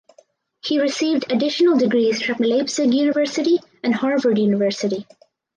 He received additional degrees from the Leipzig University and Harvard University.